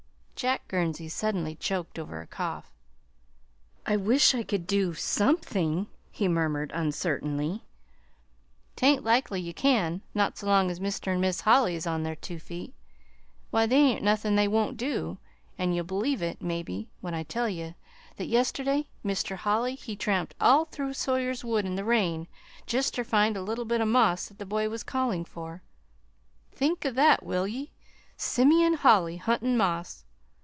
Jack Gurnsey suddenly choked over a cough. "I wish I could do something," he murmured uncertainly. "'T ain't likely ye can not so long as Mr. an' Mis' Holly is on their two feet. Why, there ain't nothin' they won't do, an' you'll believe it, maybe, when I tell you that yesterday Mr. Holly, he tramped all through Sawyer's woods in the rain, jest ter find a little bit of moss that the boy was callin' for. Think o' that, will ye? Simeon Holly huntin' moss!